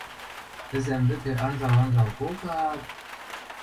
Ӹзӓм вӹкӹ анжал-анжал колтаат: